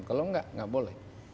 kalau tidak tidak boleh